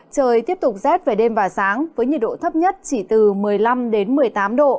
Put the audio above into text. trời tiếp tục rét về đêm và sáng với nhiệt độ thấp nhất chỉ từ một mươi năm một mươi tám độ